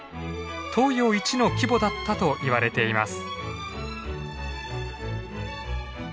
東洋一の規模だったといわれています。